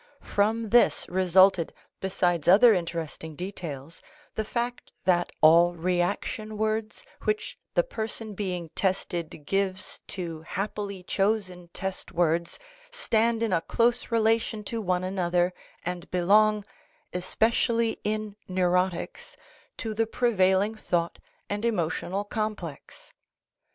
From this resulted, besides other interesting details, the fact that all reaction words which the person being tested gives to happily chosen test words stand in a close relation to one another and belong, especially in neurotics, to the prevailing thought and emotional complex.